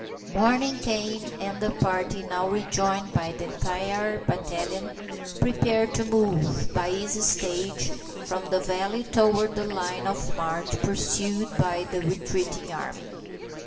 Morning came, and the party, now rejoined by the entire battalion, prepared to move, by easy stages, from the valley toward the line of march pursued by the retreating army.